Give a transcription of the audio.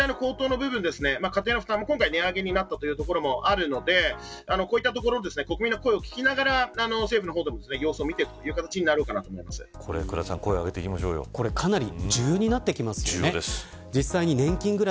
電気代の高騰の部分家庭の負担も値上げになったところもあるのでこういったところ国民の声を聞きながら政府の方でも様子を見ていく形に倉田さん、声をかなり重要になってきますよね。